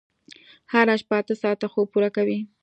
هره شپه اته ساعته خوب پوره کوئ.